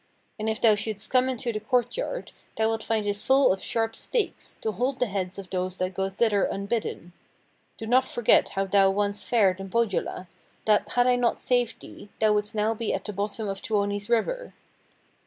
And if thou shouldst come into the courtyard, thou wilt find it full of sharp stakes, to hold the heads of those that go thither unbidden. Do not forget how thou once fared in Pohjola, that had I not saved thee thou wouldst now be at the bottom of Tuoni's river.'